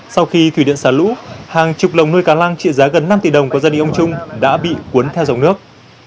sau khi thủy điện xả lũ hàng chục lồng nuôi cá lăng trị giá gần năm tỷ đồng của gia đình ông trung đã bị cuốn theo dòng nước